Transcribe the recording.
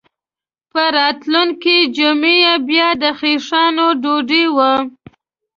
په راتلونکې جمعه یې بیا د خیښانو ډوډۍ وه.